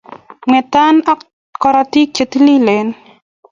Mwetan ak karatik che tililen